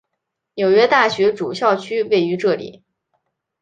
纽约大学主校区位于这里。